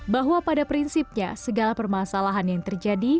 bahwa pada prinsipnya segala permasalahan yang terjadi